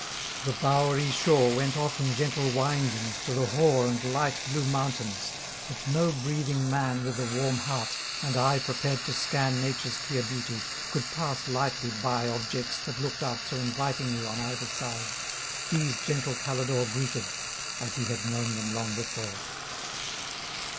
The bowery shore Went off in gentle windings to the hoar And light blue mountains: but no breathing man With a warm heart, and eye prepared to scan Nature's clear beauty, could pass lightly by Objects that look'd out so invitingly On either side. These, gentle Calidore Greeted, as he had known them long before.